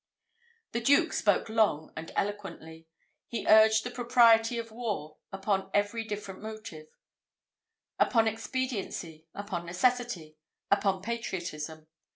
The Duke spoke long and eloquently. He urged the propriety of war upon every different motive upon expediency, upon necessity, upon patriotism.